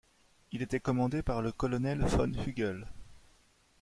Il était commandé par le colonel von Hügel.